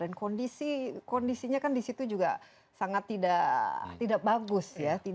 dan kondisinya kan di situ juga sangat tidak bagus ya